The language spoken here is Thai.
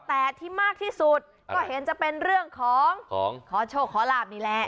แต่ที่มากที่สุดก็เห็นจะเป็นเรื่องของขอโชคขอลาบนี่แหละ